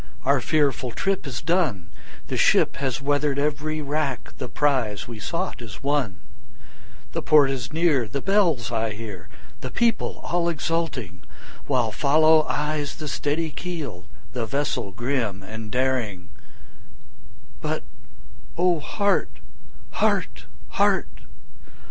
our fearful trip is done, The ship has weather'd every rack, the prize we sought is won, The port is near, the bells I hear, the people all exulting, While follow eyes the steady keel, the vessel grim and daring; But O heart! heart! heart!